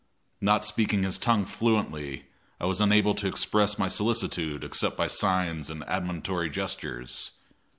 Not speaking his tongue fluently, I was unable to express my solicitude except by signs and admonitory gestures.